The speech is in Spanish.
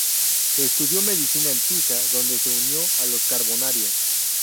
Estudió medicina en Pisa, donde se unió a los Carbonarios.